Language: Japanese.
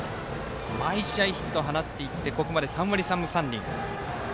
毎試合ヒットを放っていってここまで３割３分３厘。